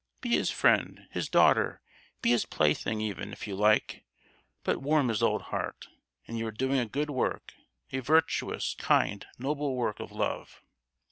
Be his friend, his daughter, be his plaything, even, if you like; but warm his old heart, and you are doing a good work—a virtuous, kind, noble work of love.